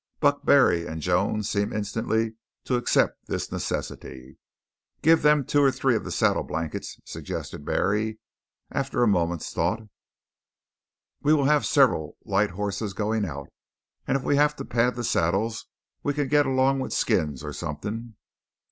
Buck Barry and Jones seemed instantly to accept this necessity. "Give them two or three of the saddle blankets," suggested Barry, after a moment's thought. "We will have several light hosses going out; and if we have to pad the saddles we can git along with skins or something."